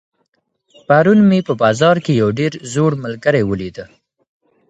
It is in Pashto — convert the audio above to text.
پرون مي په بازار کي یو ډېر زوړ ملګری ولیدی.